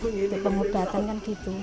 itu pengobatan kan gitu